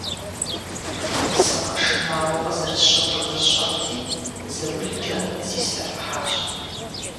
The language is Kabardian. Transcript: Сыкъэшынауэ къызэрыщыхъунур сщӀэрти, заулкӀэ зислъэфыхьащ.